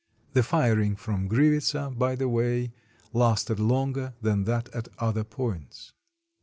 The firing from Grivitsa, by the way, lasted longer than that at other points.